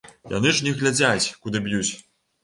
Яны ж не глядзяць, куды б'юць.